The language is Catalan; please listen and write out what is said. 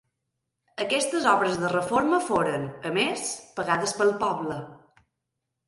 Aquestes obres de reforma foren, a més, pagades pel poble.